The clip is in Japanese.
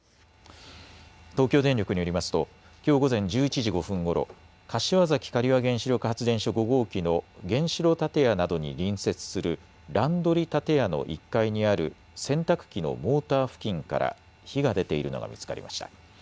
東京電力によりますときょう午前１１時５分ごろ、柏崎刈羽原子力発電所５号機の原子炉建屋などに隣接するランドリ建屋の１階にある洗濯機のモーター付近から火が出ているのが見つかりました。